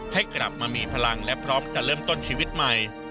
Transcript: ให้กลับมามีพลังและพร้อมจะเริ่มต้นชีวิตใหม่